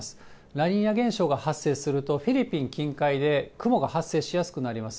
ラニーニャ現象が発生すると、フィリピン近海で雲が発生しやすくなります。